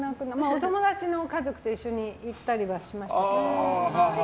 お友達の家族と一緒に行ったりはしましたけど。